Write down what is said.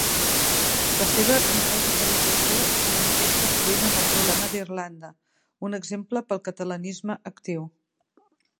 La seva radicalització es manifesta sovint en el problema d'Irlanda, un exemple pel catalanisme actiu.